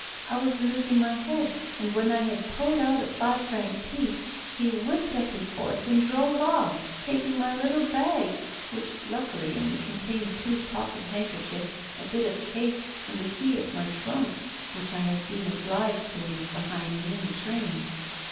I was losing my head, and when I had pulled out a five franc piece, he whipped up his horse and drove off, taking my little bag, which luckily only contained two pocket handkerchiefs, a bit of cake, and the key of my trunk, which I had been obliged to leave behind in the train.